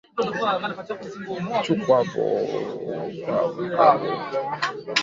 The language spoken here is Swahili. Nchu nkwavo.